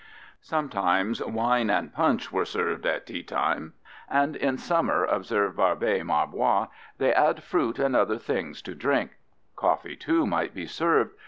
" Sometimes wine and punch were served at teatime, and "in summer," observed Barbé Marbois, "they add fruit and other things to drink." Coffee too might be served.